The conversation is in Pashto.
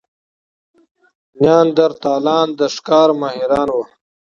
نیاندرتالان د ښکار ماهران وو.